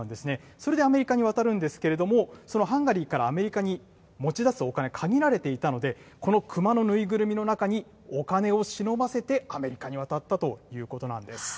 それでアメリカに渡るんですけれども、そのハンガリーからアメリカに持ち出すお金、限られていたので、この熊の縫いぐるみの中にお金をしのばせてアメリカに渡ったということなんです。